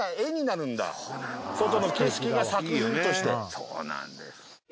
そうなんです。